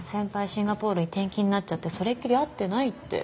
シンガポールに転勤になっちゃってそれっきり会ってないって。